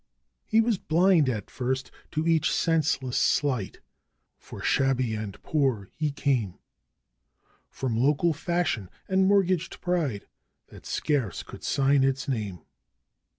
He was blind at first to each senseless slight (for shabby and poor he came) From local 'Fashion' and mortgaged pride that scarce could sign its name.